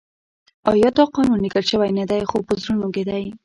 آیا دا قانون لیکل شوی نه دی خو په زړونو کې دی؟